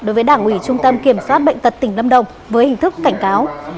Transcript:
đối với đảng ủy trung tâm kiểm soát bệnh tật tỉnh lâm đồng với hình thức cảnh cáo